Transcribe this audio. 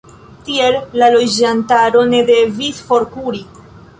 Tiel la loĝantaro ne devis forkuri.